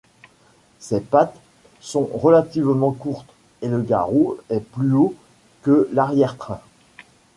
Ses pattes sont relativement courtes, et le garrot est plus haut que l'arrière-train.